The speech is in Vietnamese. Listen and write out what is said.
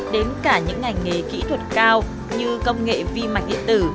đến cả những ngành nghề kỹ thuật cao như công nghệ vi mạch điện tử